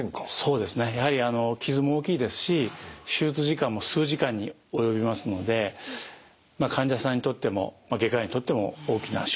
やはり傷も大きいですし手術時間も数時間におよびますので患者さんにとっても外科医にとっても大きな手術だと。